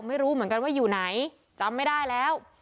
ไม่รู้เหมือนกันว่าอยู่ไหนจำไม่ได้แล้ว